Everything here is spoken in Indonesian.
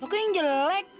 kok yang jelek